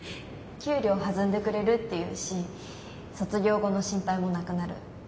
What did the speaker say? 給料弾んでくれるっていうし卒業後の心配もなくなる。